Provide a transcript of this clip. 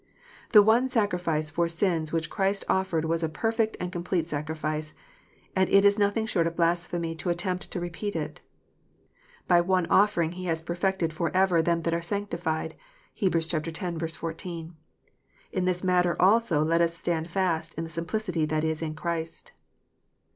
The one sacri fice for sins which Christ offered was a perfect and complete sacrifice, and it is nothing short of blasphemy to attempt to repeat it. "By one offering He has perfected for ever them that are sanctified." (Heb. x. 14.) In this matter also let us stand fast in the "simplicity that is in Christ."